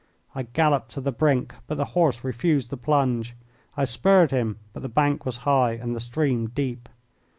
I galloped to the brink, but the horse refused the plunge. I spurred him, but the bank was high and the stream deep.